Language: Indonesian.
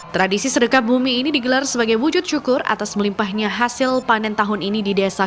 tradisi sedekah bumi ini digelar sebagai wujud syukur atas melimpahnya hasil panen tahun ini di desa